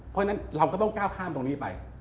เพราะฉะนั้นเราก็ต้องก้าวข้ามตรงนี้ไป